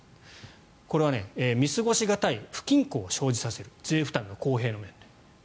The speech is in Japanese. これは見過ごし難い不均衡を生じさせる税負担の公平の面でと。